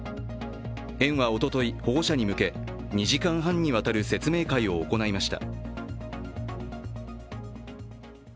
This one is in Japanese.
園はおととい、保護者に向け２時間半にわたる説明会を行いました。